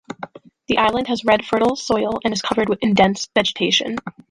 The island has red fertile soil and is covered in dense vegetation.